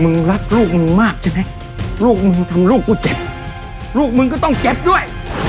รักลูกมึงมากใช่ไหมลูกมึงทำลูกกูเจ็บลูกมึงก็ต้องเจ็บด้วย